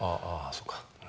ああそうか。